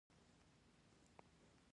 د زایمان د اسانتیا لپاره باید څه شی وخورم؟